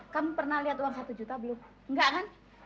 kamu pernah lihat uang satu juta belum enggak kan